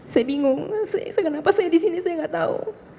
saya bingung kenapa saya di sini saya nggak tahu